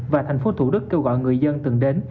và thành phố thủ đức kêu gọi người dân từng đến